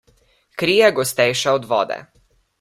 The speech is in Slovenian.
Kri je gostejša od vode.